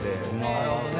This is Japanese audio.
なるほどね。